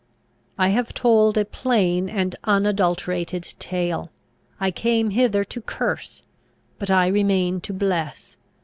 "I have told a plain and unadulterated tale. I came hither to curse, but I remain to bless.